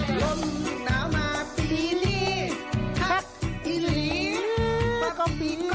ลมหนาวมาปีนี้ถักอีหลีมาปีนก่อน